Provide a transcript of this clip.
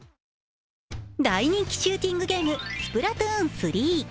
大人気シューティングゲーム、「スプラトゥーン３」。